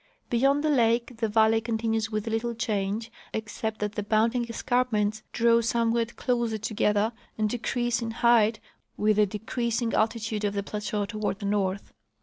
Beyond the lake the valley continues with little change, ex cept that the bounding escarpments draw somewhat closer to gether and decrease in height with the decreasing altitude of the plateau toward the north.